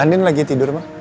andin lagi tidur mah